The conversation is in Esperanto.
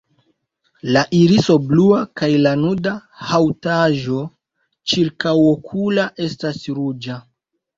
La iriso blua kaj la nuda haŭtaĵo ĉirkaŭokula estas ruĝa.